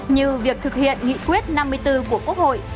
như việc thực hiện nghị quyết năm mươi bốn của quốc hội